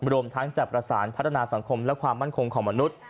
รวมทั้งจะประสานพัฒนาสังคมและความมั่นคงของมนุษย์